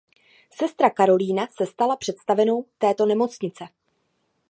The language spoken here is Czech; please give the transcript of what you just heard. Sestra Karolína se stala představenou této nemocnice.